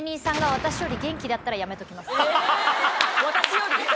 私より？